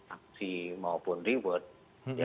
aksi maupun reward